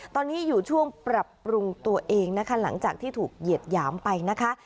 ตอนนี้อยู่ช่วงปรับปรุงตัวเองนะคะหลังจากที่ถูกเหยียดหยามไปนะคะ